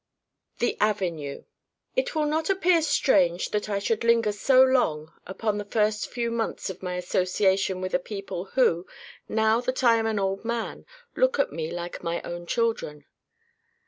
THE AVENUE. It will not appear strange that I should linger so long upon the first few months of my association with a people who, now that I am an old man, look to me like my own children.